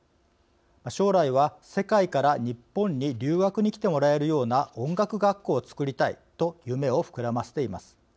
「将来は世界から日本に留学に来てもらえるような音楽学校を作りたい」と夢を膨らませています。